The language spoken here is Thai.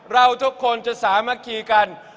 เราทุกคนจะสามัคคีกัน